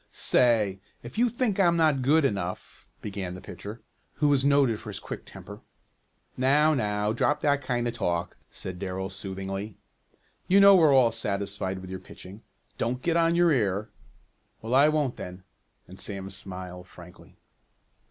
"Say, if you think I'm not good enough " began the pitcher, who was noted for his quick temper. "Now, now, drop that kind of talk," said Darrell soothingly. "You know we're all satisfied with your pitching. Don't get on your ear." "Well, I won't then," and Sam smiled frankly.